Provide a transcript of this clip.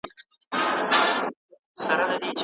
نومونه د خلګو او شیانو پیژندل اسانه کوي.